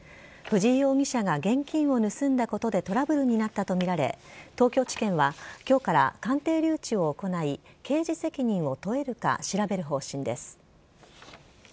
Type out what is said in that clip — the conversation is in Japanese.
藤井容疑者が現金を盗んだことでトラブルになったとみられ東京地検は今日から鑑定留置を行い刑事責任を問えるか調べる方針です。